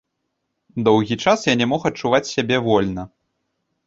Доўгі час я не мог адчуваць сябе вольна.